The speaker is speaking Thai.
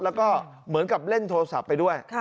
แล้วก็เหมือนกับเล่นโทรศัพท์ไปด้วย